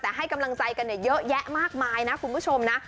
แต่ให้กำลังใจกันเยอะแยะมากมายนะคุณผู้ชมนะ